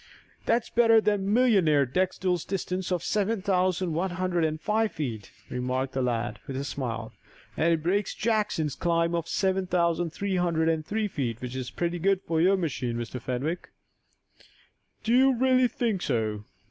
"That's better than millionaire Daxtel's distance of seven thousand one hundred and five feet," remarked the lad, with a smile, "and it breaks Jackson's climb of seven thousand three hundred and three feet, which is pretty good for your machine, Mr. Fenwick." "Do you really think so?"